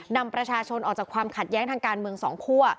นำประชาชนออกจากความขัดแย้งทางการเมืองสองคั่ว